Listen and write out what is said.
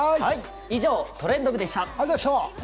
以上「トレンド部」でした。